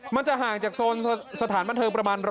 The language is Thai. มันจะห่างจากโซนสถานบันเทิงประมาณ๑๐๐